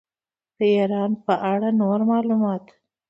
د ایران په اړه نور معلومات.